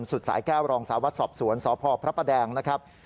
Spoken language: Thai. สุดสายแก้วรองสาววัดสอบสวนสพพระประแดงนะครับ